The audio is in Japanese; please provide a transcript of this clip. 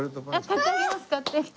買ってあげます。